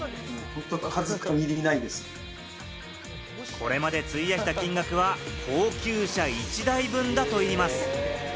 これまで費やした金額は、高級車１台分だといいます。